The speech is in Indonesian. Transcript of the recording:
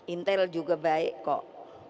intel juga baik kok